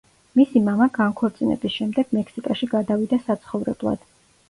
მისი მამა განქორწინების შემდეგ მექსიკაში გადავიდა საცხოვრებლად.